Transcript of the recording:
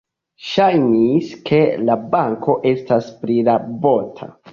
Ŝajnis, ke la banko estas prirabota.